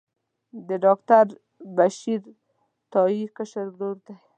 د ډاکټر بشیر تائي کشر ورور دی.